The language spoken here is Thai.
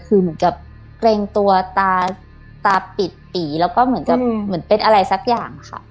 คือเหมือนกับเกรงตัวตาตาปิดปีแล้วก็เหมือนกับเหมือนเป็นอะไรสักอย่างค่ะ